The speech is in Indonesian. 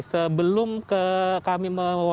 sebelum kami mewajarannya